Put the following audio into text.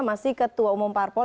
masih ketua umum parpol